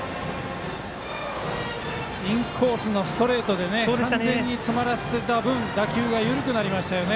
インコースのストレートで完全に詰まらせてた分打球が緩くなりましたね